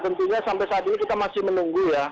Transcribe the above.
tentunya sampai saat ini kita masih menunggu ya